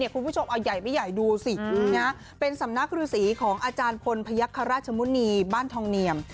คุณผู้ชมเอาใหญ่ไม่ใหญ่ดูสิเป็นสำนักฤษีของอาจารย์พลพยักษราชมุณีบ้านทองเนียม